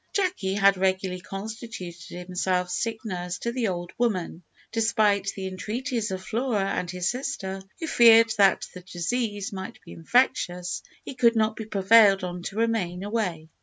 Jacky had regularly constituted himself sick nurse to the old woman. Despite the entreaties of Flora and his sister, who feared that the disease might be infectious, he could not be prevailed on to remain away.